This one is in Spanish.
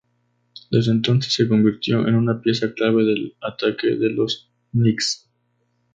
Desde entonces, se convirtió en una pieza clave del ataque de los "Nix".